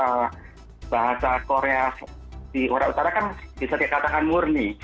kalau bahasa korea di orang utara kan bisa dikatakan murni